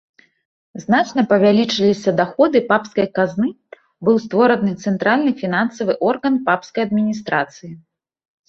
Значна павялічыліся даходы папскай казны, быў створаны цэнтральны фінансавы орган папскай адміністрацыі.